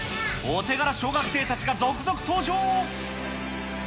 お手柄小学生たちが続々登場。